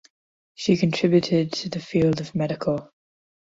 She contributed to the field of medical.